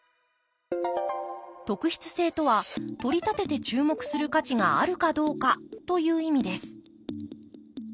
特筆性とはとりたてて注目する価値があるかどうかという意味です